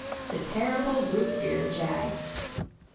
THE TERRIBLE ROOT BEER JAG.